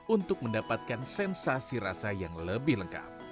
untuk mendapatkan sensasi rasa yang lebih lengkap